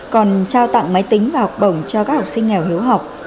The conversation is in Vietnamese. còn trao tặng máy tính và học bổng cho các học sinh nghèo hiếu học